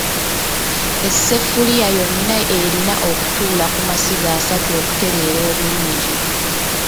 Essefuliya yonna erina okutuula ku masiga asatu okutereera obulungi.